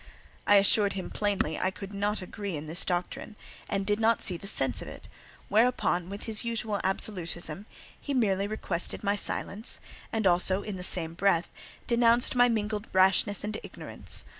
I assured him plainly I could not agree in this doctrine, and did not see the sense of it; whereupon, with his usual absolutism, he merely requested my silence, and also, in the same breath, denounced my mingled rashness and ignorance.